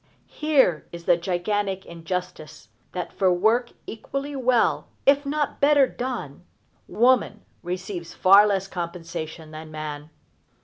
Here is the gigantic injustice that for work equally well, if not better done, woman receives far less compensation than man.